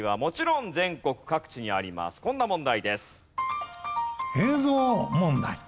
こんな問題です。